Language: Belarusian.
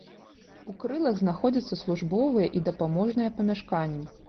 У крылах знаходзяцца службовыя і дапаможныя памяшканні.